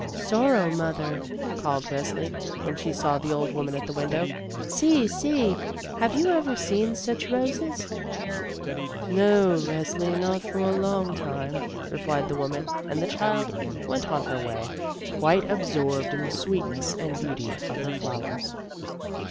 "Sorrow mother," called Resli, when she saw the old woman at the window, "see! see! Have you ever seen such roses?" "No, Resli, not for a long time," replied the woman, and the child went on her way, quite 14 THE ROSE CHILD absorbed in the sweetness and beauty of her flowers.